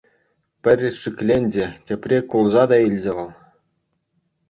Пӗрре шикленчӗ, тепре кулса та илчӗ вӑл.